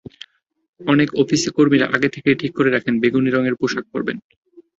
অনেক অফিসে কর্মীরা আগে থেকেই ঠিক করেই রাখেন, বেগুনি রঙের পোশাক পরবেন।